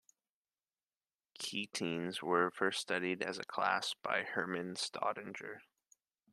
Ketenes were first studied as a class by Hermann Staudinger.